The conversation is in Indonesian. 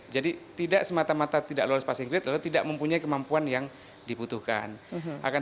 jadi tidak semata mata tidak lolos passing grade lalu tidak mempunyai kemampuan yang dibutuhkan